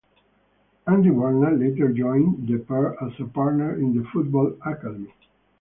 Andy Bernal later joined the pair as a partner in the football academy.